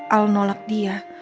al nolak dia